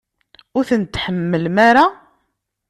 Ur tent-tḥemmlem ara?